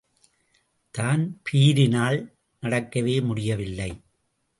தான்பிரீனால் நடக்கவே முடியவில்லை.